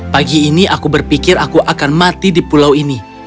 pagi ini aku berpikir aku akan mati di pulau ini